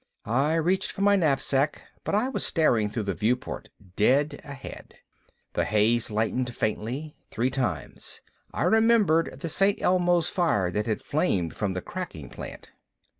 I reached for my knapsack, but I was staring through the viewport, dead ahead. The haze lightened faintly, three times. I remembered the St. Elmo's fire that had flamed from the cracking plant.